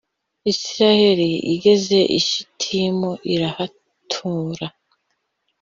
israheli igeze i shitimu irahatura.